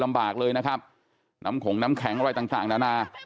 ลำบากเลยนะครับน้ำขงน้ำแข็งอะไรต่างนานา